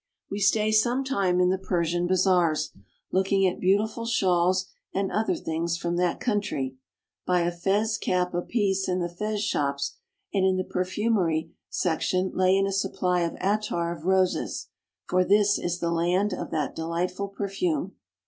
We stay some time in the Persian bazaars, looking at beautiful shawls and other things from that country, buy a fez cap apiece in the fez shops, and in the perfumery sec tion lay in a supply of attar of roses, for this is the land of that delightful perfume.